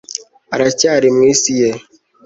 aracyari mu isi ye